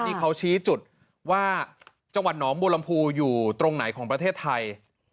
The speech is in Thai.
ที่เขาชี้จุดว่าจังหวัดหนองบัวลำพูอยู่ตรงไหนของประเทศไทย